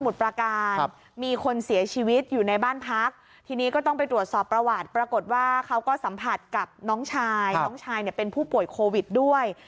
ประการมีคนเสียชีวิตอยู่ในบ้านพักทีนี้ก็ต้องไปตรวจสอบประวัติปรากฏว่าเขาก็สัมผัสกับน้องชายน้องชายเนี่ยเป็นผู้ป่วยโควิดด้วย